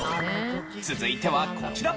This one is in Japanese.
続いてはこちら。